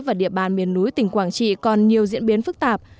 và địa bàn miền núi tỉnh quảng trị còn nhiều diễn biến phức tạp